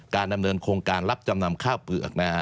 ดำเนินโครงการรับจำนำข้าวเปลือกนะฮะ